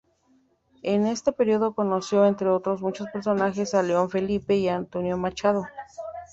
En ese periodo conoció, entre otros muchos personajes a León Felipe y Antonio Machado.